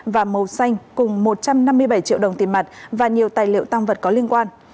và màu xanh cùng một trăm năm mươi bảy triệu đồng tiền mặt và nhiều tài liệu tăng vật có liên quan